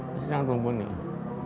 masih sangat mumpuni lah